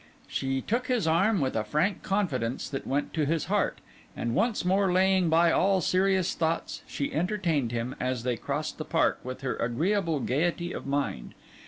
She took his arm with a frank confidence that went to his heart; and once more laying by all serious thoughts, she entertained him, as they crossed the park, with her agreeable gaiety of mind.